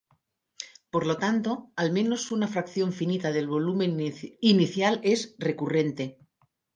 Por lo tanto, al menos una fracción finita del volumen inicial es recurrente.